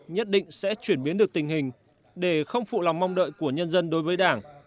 nhất định sẽ chuyển biến được tình hình để không phụ lòng mong đợi của nhân dân đối với đảng